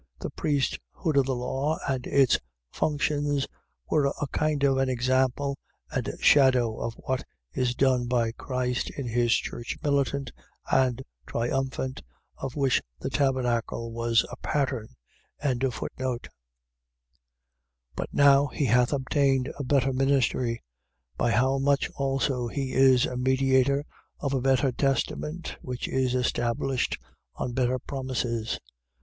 .The priesthood of the law and its functions were a kind of an example and shadow of what is done by Christ in his church militant and triumphant, of which the tabernacle was a pattern. 8:6. But now he hath obtained a better ministry, by how much also he is a mediator of a better testament which is established on better promises.